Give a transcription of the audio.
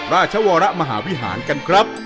ราชวรมหาวิหารกันครับ